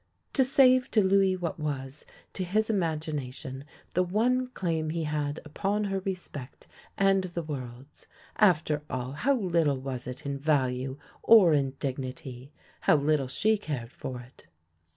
To save to Louis what was, to his imagination, the one claim he had upon her respect and the world's. After all, how little was it in value or in dignity! How little she cared for it!